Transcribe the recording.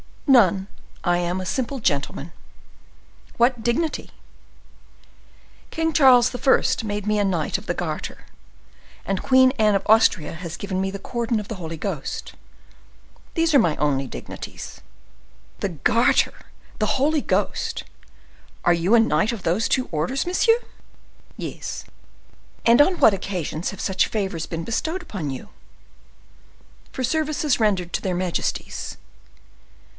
"None; I am a simple gentleman." "What dignity?" "King Charles I. made me a knight of the Garter, and Queen Anne of Austria has given me the cordon of the Holy Ghost. These are my only dignities." "The Garter! the Holy Ghost! Are you a knight of those two orders, monsieur?" "Yes." "And on what occasions have such favors been bestowed upon you?" "For services rendered to their majesties."